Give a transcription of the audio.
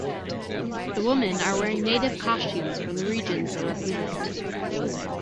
The women are wearing native costumes from the regions they represent.